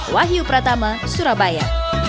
wahyu pratama surabaya